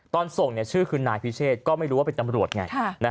ตอนส่งชื่อคือนายพิเชษก็ไม่รู้ว่าเป็นตำรวจไง